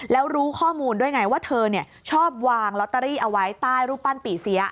แล้วรู้ข้อมูลด้วยไงว่าเธอชอบวางลอตเตอรี่เอาไว้ใต้รูปปั้นปี่เสีย